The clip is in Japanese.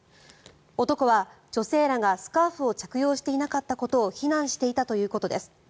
男は、女性らがスカーフを着用していなかったことを非難していたということです。